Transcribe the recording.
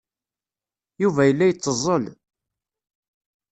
Yuba yella yetteẓẓel.